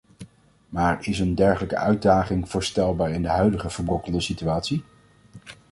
Maar is een dergelijke uitdaging voorstelbaar in de huidige, verbrokkelde situatie?